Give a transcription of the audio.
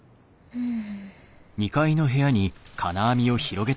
うん。